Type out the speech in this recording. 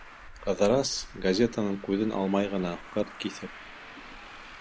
Ҡыҙырас газетанан күҙен алмай ғына, ҡырт киҫеп: